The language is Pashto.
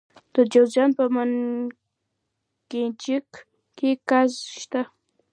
د جوزجان په منګجیک کې ګاز شته.